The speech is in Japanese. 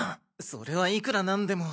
それはいくら何でも。